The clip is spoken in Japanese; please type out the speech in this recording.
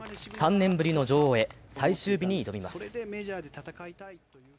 ３年ぶりの女王へ、最終日に挑みます。